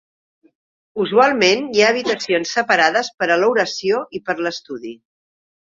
Usualment hi ha habitacions separades per a l'oració i per a l'estudi.